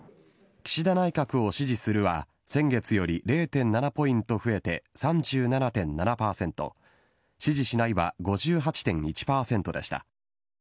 岸田内閣を支持するは先月より０．７ポイント増えて３７．７％、支持しないは５８．１％でした。